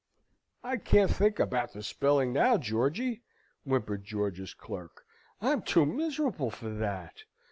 "I can't think about the spelling now, Georgy," whimpered George's clerk. "I'm too miserable for that.